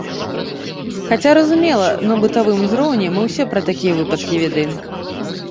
Хаця, разумела, на бытавым узроўні мы ўсе пра такія выпадкі ведаем.